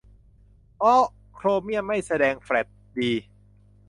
โอ๊ะ โครเมี่ยมไม่แสดงแฟลช - ดี !